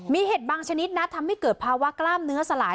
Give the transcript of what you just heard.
มีเห็ดบางชนิดนะทำให้เกิดภาวะกล้ามเนื้อสลาย